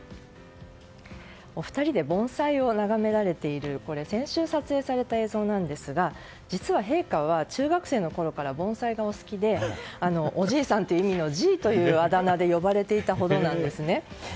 お二人で盆栽を眺められている先週、撮影された映像なんですが実は陛下は中学生のころから盆栽がお好きでおじいさんという意味のじいというあだ名で呼ばれていたほどなんですね。